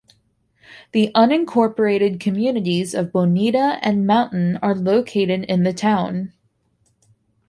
The unincorporated communities of Bonita and Mountain are located in the town.